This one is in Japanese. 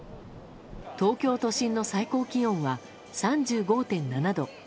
東京都心の最高気温は３５．７度。